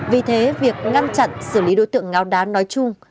vì thế việc ngăn chặn xử lý đối tượng ngáo đá nói chung